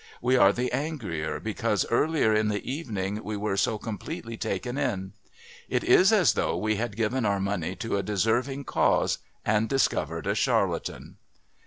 We are the angrier because earlier in the evening we were so completely taken in. It is as though we had given our money to a deserving cause and discovered a charlatan.